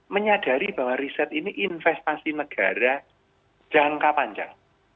menyadari bahwa riset ini investasi negara jangka panjang